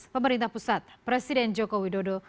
pemerintah pusat presiden joko widodo